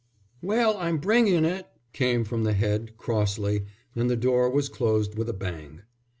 "Well, I'm bringing it," came from the head, crossly, and the door was closed with a bang.